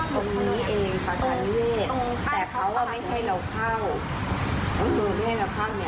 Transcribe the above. เพิ่งเปิดมาได้ยังไม่ถึงเดือนเลย